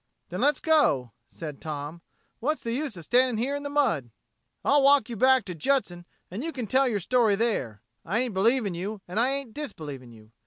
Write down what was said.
"Then let's go," said Tom. "What's the use of standing here in the mud?" "I'll walk you back to Judson, an' you can tell yer story there. I ain't believing you and I ain't disbelieving you.